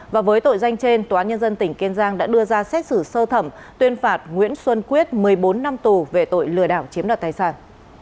và với tội danh trên tòa nhân dân tỉnh kiên giang đã đưa ra xét xử sơ thẩm tuyên phạt nguyễn xuân quyết một mươi bốn năm tù về tội lừa đảo chiếm đoạt tài sản